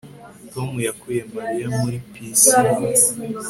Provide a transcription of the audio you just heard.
Tom yakuye Mariya muri pisine